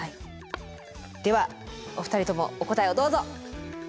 ではお二人ともお答えをどうぞ。